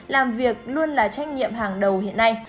làm việc luôn là trách nhiệm hàng đầu hiện nay